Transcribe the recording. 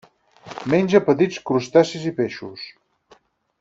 Menja petits crustacis i peixos.